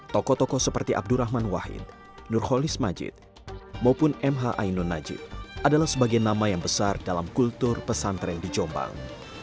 toko toko seperti abdurrahman wahid nurholis majid maupun mha ainul najib adalah sebagian nama yang besar dalam kultur pesantren di jombang